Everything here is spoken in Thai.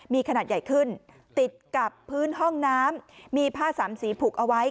มีขนาดใหญ่ขึ้นติดกับพื้นห้องน้ำมีผ้าสามสีผูกเอาไว้